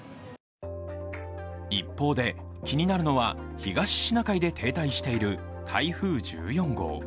一方で気になるのは、東シナ海で停滞している台風１４号。